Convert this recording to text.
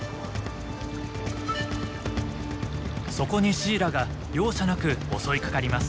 そこにシイラが容赦なく襲いかかります。